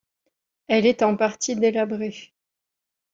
Elle est en partie délabrée.